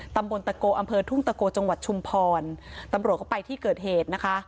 ตำบลตะโกอำเภอทุ่งตะโกจังหวัดชุมพรตำรวจเข้าไปที่เกิดเหตุนะคะ